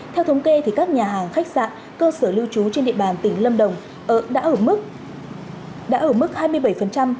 theo thống kê các nhà hàng khách sạn cơ sở lưu trú trên địa bàn tỉnh lâm đồng đã ở mức hai mươi bảy